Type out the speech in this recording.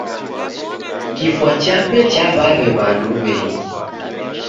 Kifwa chape chaw'aw'e w'andu w'engi.